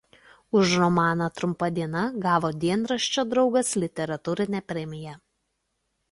Už romaną „Trumpa diena“ gavo dienraščio „Draugas“ literatūrinę premiją.